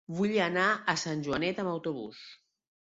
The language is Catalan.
Vull anar a Sant Joanet amb autobús.